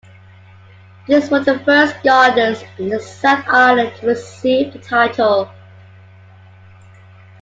These were the first gardens in the South Island to receive the title.